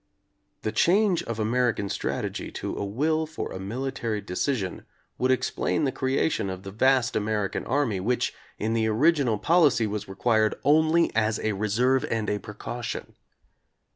The change of American strategy to a will for a military decision would explain the creation of the vast American army which in the original pol icy was required only "as a reserve and a precau tion."